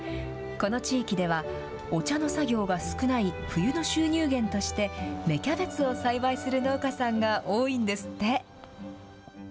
この地域では、お茶の作業が少ない冬の収入源として、芽キャベツを栽培する農家さんが多いんですって。